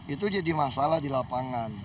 itu jadi masalah di lapangan